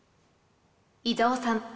伊沢さん